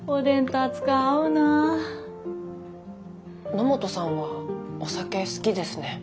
野本さんはお酒好きですね。